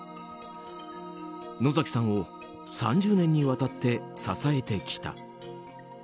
野崎さんを３０年にわたって支えてきた。